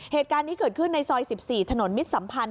เหตุการณ์นี้เกิดขึ้นในซอย๑๔ถนนมิตรสัมพันธ